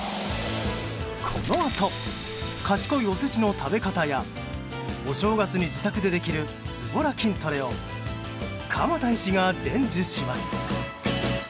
このあと賢いお節の食べ方やお正月に自宅でできるズボラ筋トレを鎌田医師が伝授します。